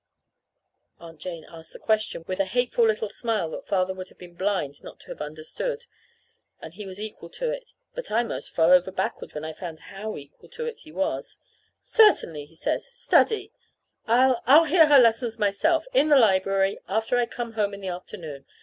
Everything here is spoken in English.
Aunt Jane asked the question with a hateful little smile that Father would have been blind not to have understood. And he was equal to it but I 'most fell over backward when I found how equal to it he was. "Certainly," he says, "study. I I'll hear her lessons myself in the library, after I come home in the afternoon.